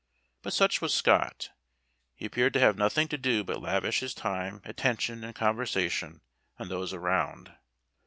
But such was Scott he appeared to have nothing to do but lavish his time, attention, and conversation on those around.